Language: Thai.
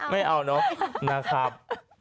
ไม่เอาเนอะนะครับ